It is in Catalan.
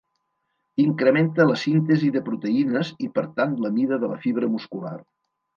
Incrementa la síntesi de proteïnes i per tant la mida de la fibra muscular.